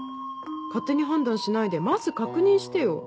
勝手に判断しないでまず確認してよ。